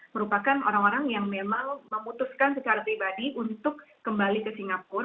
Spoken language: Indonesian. merupakan orang orang yang memang memutuskan secara pribadi untuk kembali ke singapura